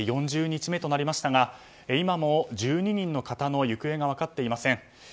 ４０日目となりましたが今も１２人の方の行方が分かっていません。